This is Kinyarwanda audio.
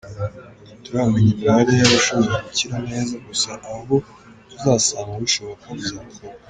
Ntituramenya imibare y’abashobora gukira neza, gusa abo tuzasanga bishoboka, bizakorwa.